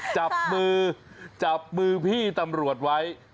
จับมือจับมือพี่ตำรวจไว้